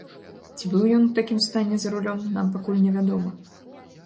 Ці быў ён у такім стане за рулём, нам пакуль не вядома.